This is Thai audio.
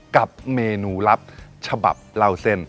กับเมนูลับฉบับเล่าเส้น